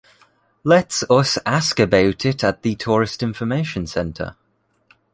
Let’s us ask about it at the tourist information center.